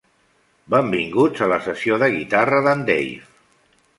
Benvinguts a la sessió de guitarra d'en Dave.